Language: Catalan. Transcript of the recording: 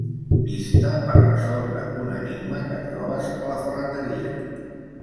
Pista per resoldre un enigma que trobes a la ferreteria.